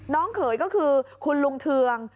เขยก็คือคุณลุงเทือง